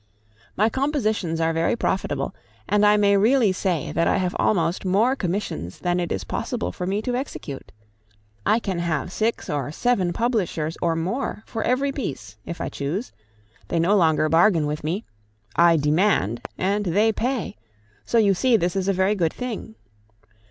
My compositions are very profitable, and I may really say that I have almost more commissions than it is possible for me to execute. I can have six or seven publishers or more for every piece, if I choose; they no longer bargain with me I demand, and they pay so you see this is a very good thing.